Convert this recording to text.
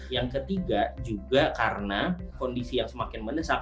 yang ketiga juga karena kondisi yang semakin mendesak